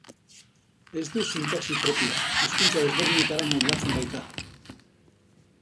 Ez du sintaxi propioa, hizkuntza desberdinetara moldatzen baita.